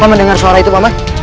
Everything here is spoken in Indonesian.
paman dengar suara itu paman